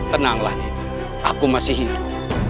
tenanglah aku masih hidup